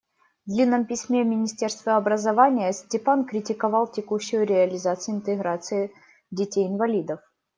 В длинном письме в министерство образования Степан критиковал текущую реализацию интеграции детей-инвалидов.